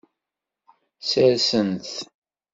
Ssersen-t.